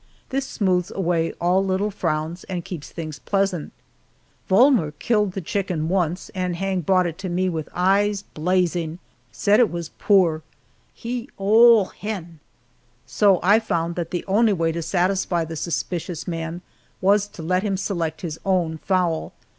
This smooths away all little frowns and keeps things pleasant. Volmer killed the chicken once, and Hang brought it to me with eyes blazing said it was poor and "He ole ee hin," so I found that the only way to satisfy the suspicious man was to let him select his own fowl.